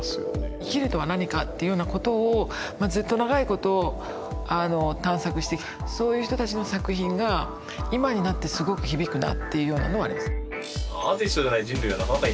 生きるとは何かっていうようなことをずっと長いこと探索してきたそういう人たちの作品が今になってすごく響くなっていうようなのはあります。